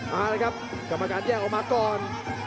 มาเลยครับกรรมการแยกออกมาก่อน